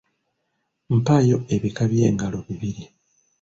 Mpaayo ebika by’engalo bibiri.